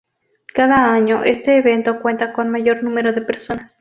Cada año este evento cuenta con mayor número de personas.